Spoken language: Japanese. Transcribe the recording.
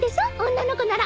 女の子なら。